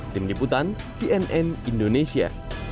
tim liputan cnn indonesia